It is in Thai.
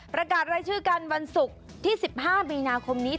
ประกาศรายชื่อกันวันศุกร์ที่๑๕มีนาคมนี้